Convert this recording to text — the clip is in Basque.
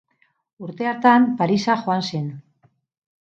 Urte hartan Parisa joan zen.